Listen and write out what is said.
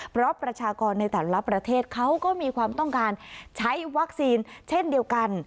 เพราะประชากรในแต่ละประเทศเขาก็มีความต้องการใช้วัคซีนเช่นเดียวกัน